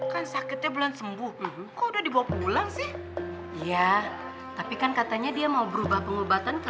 kan sakitnya bulan sembuh kok udah dibawa pulang sih iya tapi kan katanya dia mau berubah pengobatan ke